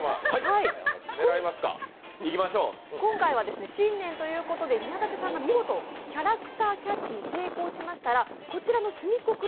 今回は新年ということで宮舘さんが見事キャラクターキャッチに成功しましたら、こちらのすみっコ